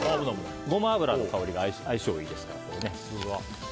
ゴマ油の香りが相性がいいですからね。